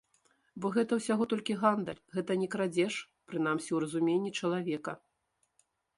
Бо гэта ўсяго толькі гандаль, гэта не крадзеж, прынамсі ў разуменні чалавека.